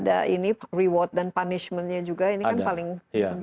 ada ini reward dan punishmentnya juga ini kan paling penting